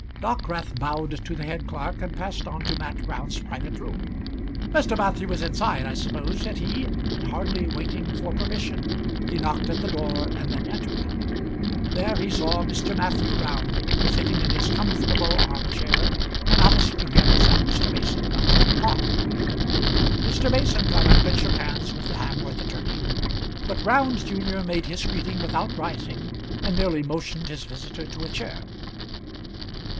Dockwrath bowed to the head clerk, and passed on to Mat Round's private room. "Mr. Matthew is inside, I suppose," said he, and hardly waiting for permission he knocked at the door, and then entered. There he saw Mr. Matthew Round, sitting in his comfortable arm chair, and opposite to him sat Mr. Mason of Groby Park. Mr. Mason got up and shook hands with the Hamworth attorney, but Round junior made his greeting without rising, and merely motioned his visitor to a chair.